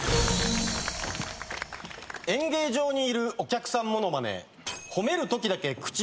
演芸場にいるお客さんモノマネ。